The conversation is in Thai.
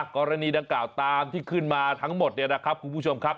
กรณีดังกล่าวตามที่ขึ้นมาทั้งหมดเนี่ยนะครับคุณผู้ชมครับ